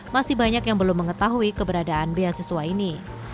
masih banyak yang belum mengetahui keberadaan beasiswa ini